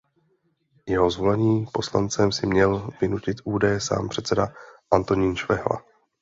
Jeho zvolení poslancem si měl vynutit údajně sám předseda Antonín Švehla.